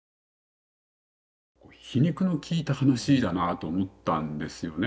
こう「皮肉のきいた話だなあ」と思ったんですよね。